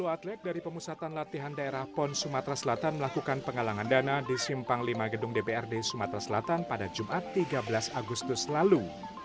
dua puluh atlet dari pemusatan latihan daerah pon sumatera selatan melakukan penggalangan dana di simpang lima gedung dprd sumatera selatan pada jumat tiga belas agustus lalu